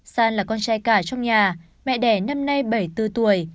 san là con trai cả trong nhà mẹ đẻ năm nay bảy mươi bốn tuổi